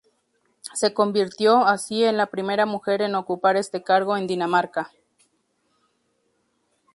Se convirtió, así, en la primera mujer en ocupar este cargo en Dinamarca.